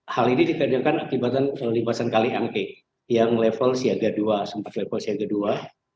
hal ini dikarenakan akibatan limpasan kali angke yang level siaga dua